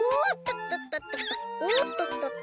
おっととととと。